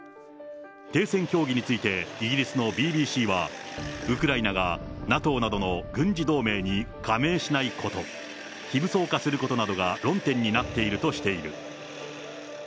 停戦協議について、イギリスのＢＢＣは、ウクライナがＮＡＴＯなどの軍事同盟に加盟しないこと、非武装化することなどが論点になっているとしている。